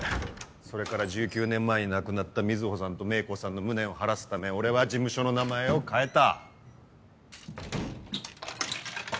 それから１９年前に亡くなった水帆さんと芽衣子さんの無念を晴らすため俺は事務所の名前を変えた。